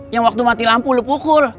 yang waktu mati lampu lu pukul